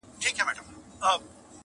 په فریاد یې وو پر ځان کفن څیرلی -